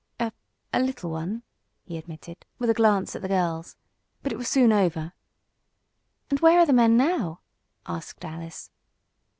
"A little one," he admitted, with a glance at the girls. "But it was soon over." "And where are the men now?" asked Alice.